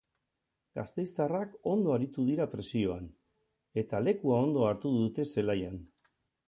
Gasteiztarrak ondo aritu dira presioan, eta lekua ondo hartu dute zelaian.